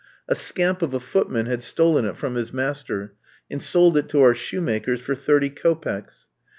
A scamp of a footman had stolen it from his master, and sold it to our shoemakers for thirty kopecks.